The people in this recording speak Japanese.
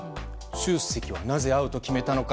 習主席はなぜ会うと決めたのか。